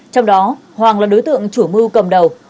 trong đó hoàng là đối tượng chủ mưu cầm đầu